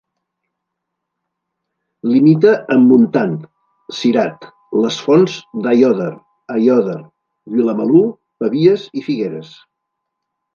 Limita amb Montant, Cirat, les Fonts d'Aiòder, Aiòder, Vilamalur, Pavies i Figueres.